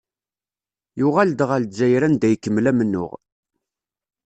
Yuɣal-d ɣer Lezzayer anda ikemmel amennuɣ.